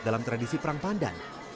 dalam tradisi perang pandan